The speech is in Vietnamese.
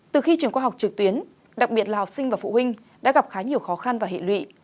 từ khi trường qua học trực tuyến đặc biệt là học sinh và phụ huynh đã gặp khá nhiều khó khăn và hệ lụy